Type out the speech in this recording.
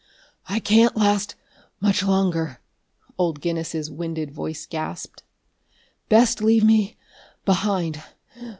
"I can't last much longer!" old Guinness's winded voice gasped. "Best leave me behind.